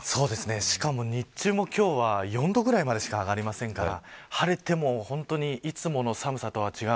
しかも、日中は４度ぐらいまでしか上がりませんから晴れてもいつもの寒さとは違う。